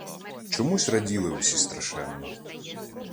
Чомусь раділи усі страшенно.